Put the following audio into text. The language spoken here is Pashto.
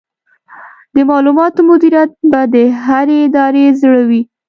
د معلوماتو مدیریت به د هرې ادارې زړه وي.